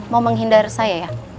mau menghindar saya ya